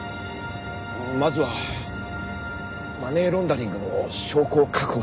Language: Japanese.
まずはマネーロンダリングの証拠を確保しないと。